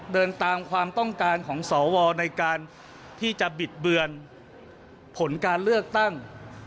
เดินตามความต้องการของสวในการที่จะบิดเบือนผลการเลือกตั้ง